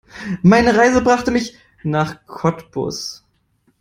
Meine Reise brachte mich nach Cottbus